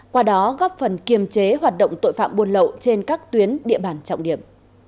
qua đó góp phần kiềm chế hoạt động tội phạm buôn lậu trên các tuyến địa bàn trọng điểm